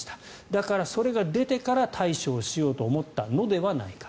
だから、それが出てから対処をしようと思ったのではないか。